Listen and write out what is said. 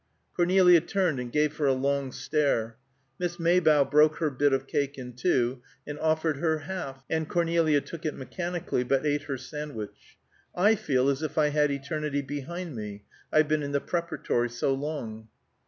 Cornelia turned and gave her a long stare. Miss Maybough broke her bit of cake in two, and offered her half, and Cornelia took it mechanically, but ate her sandwich. "I feel as if I had eternity behind me, I've been in the Preparatory so long."